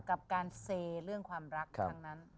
กับการเซเรื่องความรักครั้งนั้น